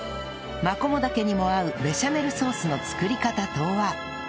マコモダケにも合うベシャメルソースの作り方とは？